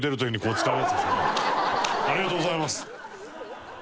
ありがとうございます。